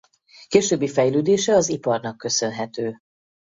Későbbi fejlődése az iparnak köszönhető.